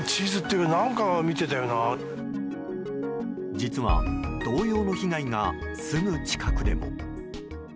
実は、同様の被害がすぐ近くでも。